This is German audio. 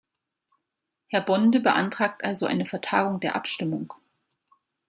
Herr Bonde beantragt also eine Vertagung der Abstimmung.